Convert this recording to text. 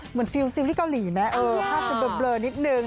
เหมือนฟิลซิลที่เกาหลีไหมภาพเป็นเบลอนิดหนึ่ง